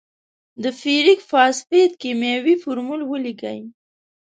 د فیریک فاسفیټ کیمیاوي فورمول ولیکئ.